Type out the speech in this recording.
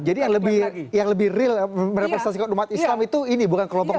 jadi yang lebih real merepresentasi umat islam itu ini bukan kelompok dua ratus dua belas